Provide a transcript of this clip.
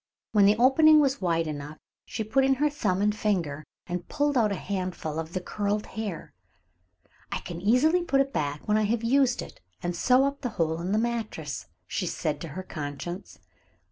When the opening was wide enough she put in her thumb and finger and pulled out a handful of the curled hair. "I can easily put it back when I have used it, and sew up the hole in the mattress," she said to her conscience.